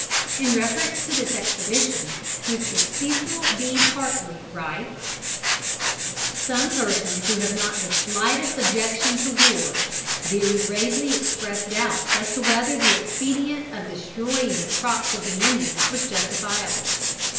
In reference to this expedition, Mr. Cecil B. Hartley writes: "Some persons who have not the slightest objection to war, very gravely express doubts as to whether the expedient of destroying the crops of the Indians was justifiable.